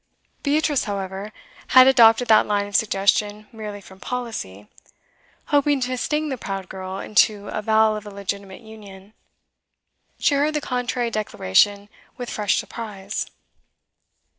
Beatrice, however, had adopted that line of suggestion merely from policy, hoping to sting the proud girl into avowal of a legitimate union; she heard the contrary declaration with fresh surprise.